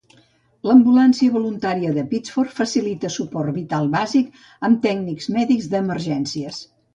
L'ambulància voluntària de Pittsford facilita suport vital bàsic amb tècnics mèdics d'emergències.